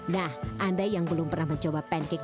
nah anda yang belum pernah mencoba pancake dengan jepang